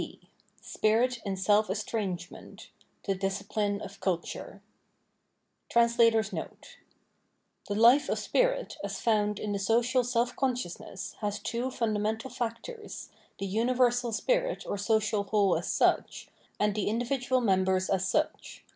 B Spirit in Self estrangement — The Discipline of Culture [Tlie life of spirit as found in the social self consciousness has two fundamental factors, the universal spirit or social whole as such, and the individual member as such.